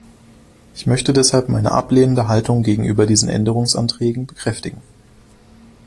Ich möchte deshalb meine ablehnende Haltung gegenüber diesen Änderungsanträgen bekräftigen.